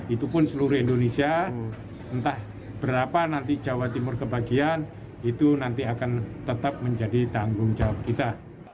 itu pun seluruh indonesia entah berapa nanti jawa timur kebagian itu nanti akan tetap menjadi tanggung jawab kita